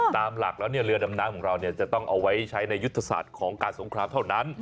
ตามหลักแล้วเรือดำน้ำของเราจะต้องเอาไว้ใช้ในยุทธศาสตร์ของการสงครามเท่านั้น